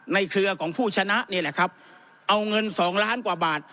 เครือของผู้ชนะนี่แหละครับเอาเงินสองล้านกว่าบาท